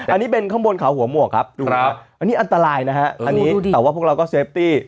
อันนี้เป็นข้างบนขาวหัวหมวกครับอันนี้อันตรายนะฮะแต่ว่าพวกเราก็เซฟตี้